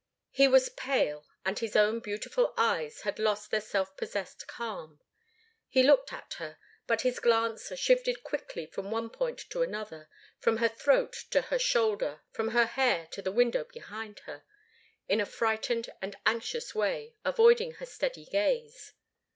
He was pale, and his own beautiful eyes had lost their self possessed calm. He looked at her, but his glance shifted quickly from one point to another from her throat to her shoulder, from her hair to the window behind her in a frightened and anxious way, avoiding her steady gaze.